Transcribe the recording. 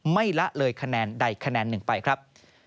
ละเลยคะแนนใดคะแนนหนึ่งไปครับ